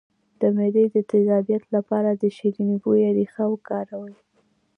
د معدې د تیزابیت لپاره د شیرین بویې ریښه وکاروئ